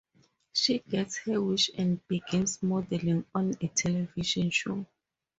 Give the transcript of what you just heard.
She gets her wish and begins modeling on a television show.